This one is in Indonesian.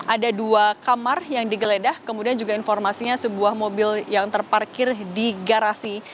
ada dua kamar yang digeledah kemudian juga informasinya sebuah mobil yang terparkir di garasi